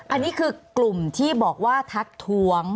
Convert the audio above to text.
อันนี้คือกลุ่มที่บอกว่าทักท้วง